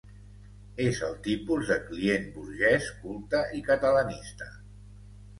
És el tipus de client burgès, culte i catalanista.